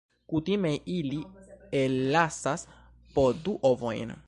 Kutime ili ellasas po du ovojn.